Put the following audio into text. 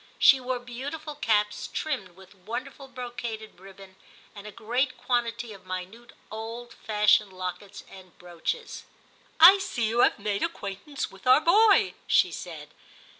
She wore beau tiful caps, trimmed with wonderful brocaded ribbon, and a great quantity of minute old fashioned lockets and brooches. * I see you have made acquaintance with our boy,' she said.